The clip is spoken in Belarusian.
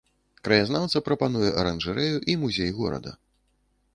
Краязнаўца прапануе аранжарэю і музей горада.